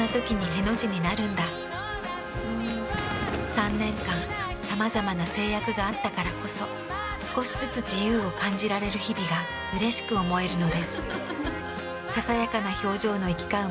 ３年間さまざまな制約があったからこそ少しずつ自由を感じられる日々がうれしく思えるのです。